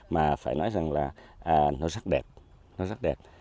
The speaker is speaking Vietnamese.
mà phải nói rằng là nó sắc đẹp nó rất đẹp